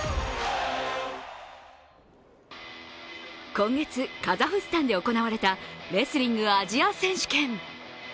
今月、カザフスタンで行われたレスリング・アジア選手権。